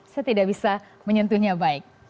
saya tidak bisa menyentuhnya baik